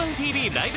ライブ！」